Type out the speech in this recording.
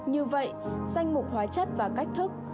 như vậy danh mục hóa chất và cách thức